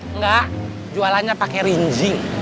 enggak jualannya pake rinjing